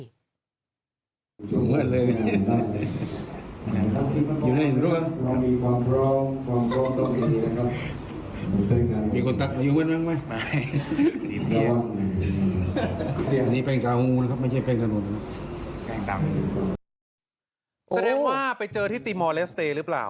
แสดงว่าไปเจอที่ตีมอลเลสเตย์หรือเปล่า